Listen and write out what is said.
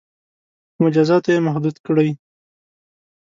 • په مجازاتو یې محدود کړئ.